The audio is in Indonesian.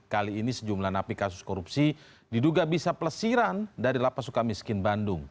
kali ini sejumlah napi kasus korupsi diduga bisa pelesiran dari lapas suka miskin bandung